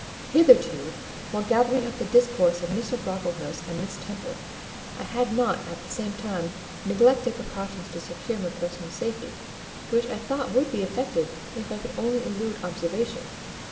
Hitherto, while gathering up the discourse of Mr. Brocklehurst and Miss Temple, I had not, at the same time, neglected precautions to secure my personal safety; which I thought would be effected, if I could only elude observation.